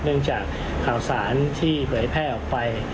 เนื่องจากข่าวสารที่ไหลแพร่ออกไป